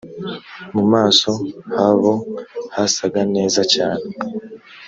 mu maso habo hasaga neza cyane